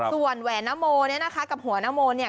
ส่วนแหวนนโมเนี่ยนะคะกับหัวนโมเนี่ย